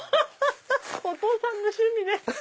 お父さんの趣味です。